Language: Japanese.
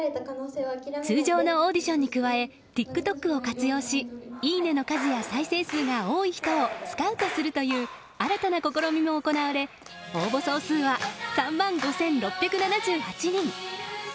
通常のオーディションに加えＴｉｋＴｏｋを活用しいいねの数や再生数が多い人をスカウトするという新たな試みも行われ応募総数は３万５６７８人。